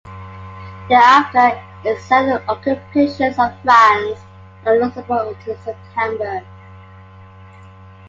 Thereafter it served in the occupations of France and Luxembourg until September.